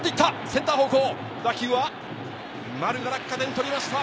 センター方向打球は丸が落下点取りました。